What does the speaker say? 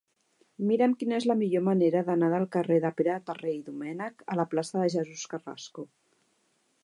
Mira'm quina és la millor manera d'anar del carrer de Pere Terré i Domènech a la plaça de Jesús Carrasco.